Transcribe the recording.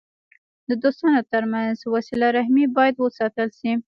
د دوستانو ترمنځ وسیله رحمي باید وساتل سي.